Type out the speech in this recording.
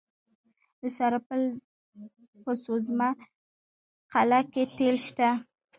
د سرپل په سوزمه قلعه کې تیل شته.